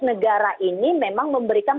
negara ini memang memberikan